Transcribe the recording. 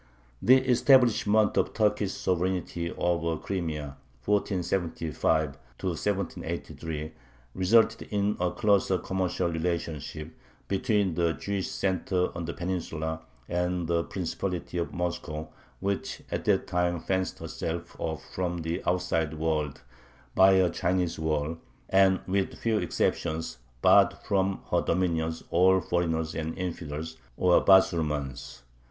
The establishment of Turkish sovereignty over the Crimea (1475 1783) resulted in a closer commercial relationship between the Jewish center on the Peninsula and the Principality of Moscow, which at that time fenced herself off from the outside world by a Chinese wall, and, with few exceptions, barred from her dominions all foreigners and infidels, or "Basurmans."